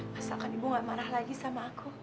masakan ibu gak marah lagi sama aku